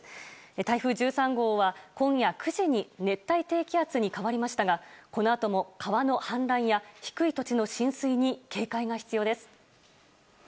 台風１３号は、今夜９時に熱帯低気圧に変わりましたがこのあとも川の氾濫や低い土地の浸水に警戒が必要です。